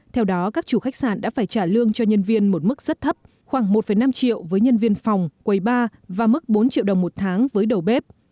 theo đó các chủ khách sạn đã phải trả lương cho nhân viên một mức rất thấp khoảng một năm triệu với nhân viên phòng quầy bar và mức bốn triệu đồng một tháng với đầu bếp